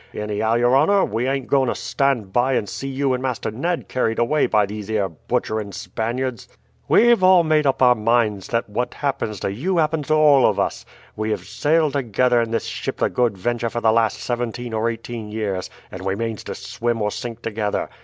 Anyhow, your honour, we ain't going to stand by and see you and Master Ned carried away by these 'ere butchering Spaniards. "We have all made up our minds that what happens to you happens to all of us. We have sailed together in this ship the Good Venture for the last seventeen or eighteen years, and we means to swim or sink together.